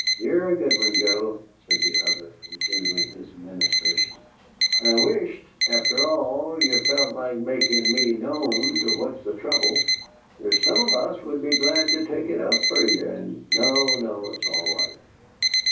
"Ye're a good one, Joe!" said the other, continuing his ministrations. "I wisht, after all, ye felt like makin' me known to what's the trouble. There's some of us would be glad to take it up fer ye, and " "No, no; it's all right.